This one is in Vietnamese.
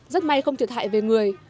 rất may không thiệt hại về người